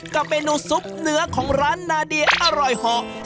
กับเมนูซุปเนื้อของร้านนาเดียอร่อยเหาะ